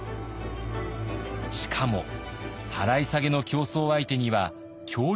しかも払い下げの競争相手には強力な企業が。